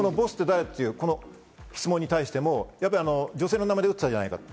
「ボスって誰？」っていう質問に対しても、女性の名前で打ってたじゃないかと。